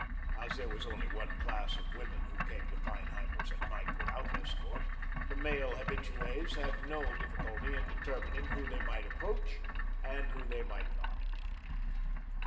As there was only one class of women who came to Feinheimer's at night without escort, the male habitues had no difficulty in determining who they might approach and who they might not.